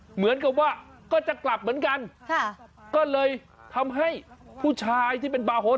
เหมือนกับว่าก็จะกลับเหมือนกันค่ะก็เลยทำให้ผู้ชายที่เป็นบาร์โฮส